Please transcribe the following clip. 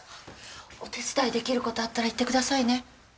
お手伝いできる事あったら言ってくださいね。